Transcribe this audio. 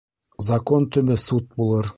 Закон төбө суд булыр.